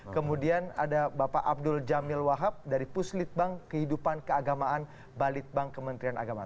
kemudian ada bapak abdul jamil wahab dari puslitbang kehidupan keagamaan balitbank kementerian agama